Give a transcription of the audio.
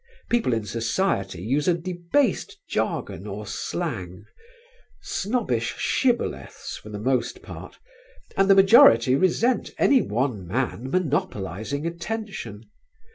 People in society use a debased jargon or slang, snobbish shibboleths for the most part, and the majority resent any one man monopolising attention.